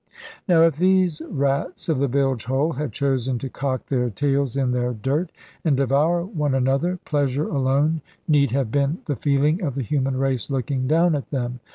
Now if these rats of the bilge hole had chosen to cock their tails in their dirt, and devour one another, pleasure alone need have been the feeling of the human race looking down at them.